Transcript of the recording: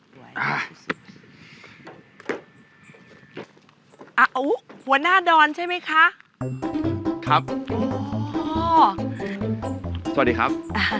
สวัสดีครับ